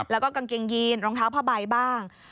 แล้วก็กางเกงยีนรองเท้าผ้าใบบ้าง